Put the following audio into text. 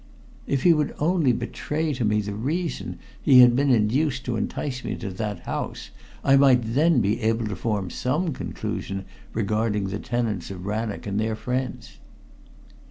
If he would only betray to me the reason he had been induced to entice me to that house, I might then be able to form some conclusion regarding the tenants of Rannoch and their friends.